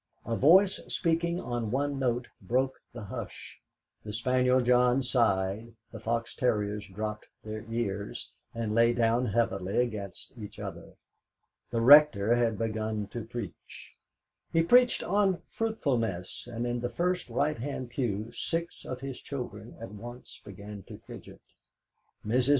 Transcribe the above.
A voice speaking on one note broke the hush. The spaniel John sighed, the fox terriers dropped their ears, and lay down heavily against each other. The Rector had begun to preach. He preached on fruitfulness, and in the first right hand pew six of his children at once began to fidget. Mrs.